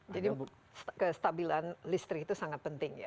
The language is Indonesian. kestabilan listrik itu sangat penting ya